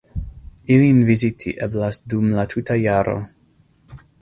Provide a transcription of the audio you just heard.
Ilin viziti eblas dum la tuta jaro.